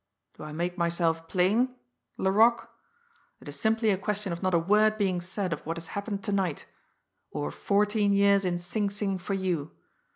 Do I make myself plain Laroque? It is simply a question of not a word being said of what has happened to night or fourteen years in Sing Sing for you!